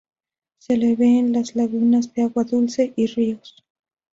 Se le ve en las lagunas de agua dulce y ríos.